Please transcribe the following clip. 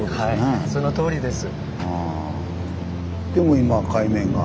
そのとおりです。